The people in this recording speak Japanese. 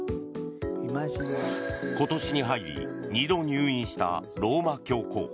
今年に入り２度入院したローマ教皇。